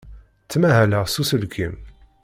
Ttmahaleɣ s uselkim.